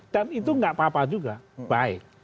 dan itu gak apa apa juga baik